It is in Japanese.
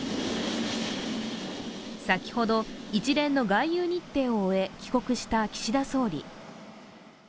先ほど、一連の外遊日程を終え、帰国した岸田総理。